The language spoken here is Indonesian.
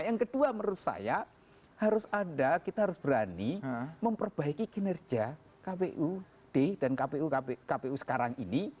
yang kedua menurut saya harus ada kita harus berani memperbaiki kinerja kpu d dan kpu sekarang ini